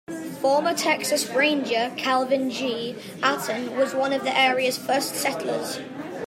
Former Texas Ranger Calvin G. Aten was one of the area's first settlers.